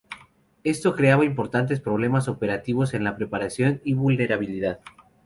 Esto creaba importantes problemas operativos en la preparación y vulnerabilidad.